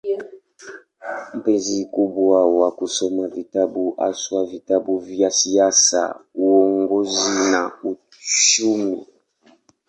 Mpenzi mkubwa wa kusoma vitabu, haswa vitabu vya siasa, uongozi na uchumi.